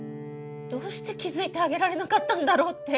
どうして気付いてあげられなかったんだろうって。